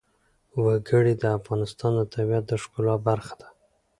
وګړي د افغانستان د طبیعت د ښکلا برخه ده.